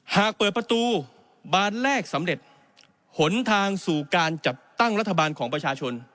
หากเปิดประตูบานแรกสำเร็จหนทางสู่การจัดตั้งรัฐบาลของประชาชน